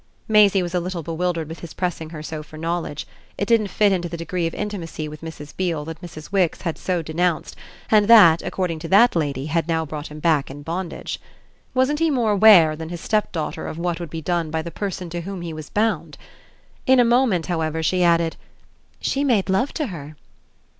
Maisie was a little bewildered with his pressing her so for knowledge; it didn't fit into the degree of intimacy with Mrs. Beale that Mrs. Wix had so denounced and that, according to that lady, had now brought him back in bondage. Wasn't he more aware than his stepdaughter of what would be done by the person to whom he was bound? In a moment, however, she added: "She made love to her."